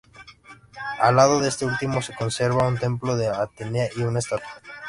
Al lado de este último, se conservaba un templo de Atenea y una estatua.